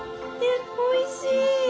おいしい！